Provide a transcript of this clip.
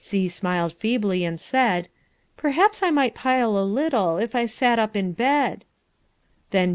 C smiled feebly and said, "Perhaps I might pile a little if I sat up in bed."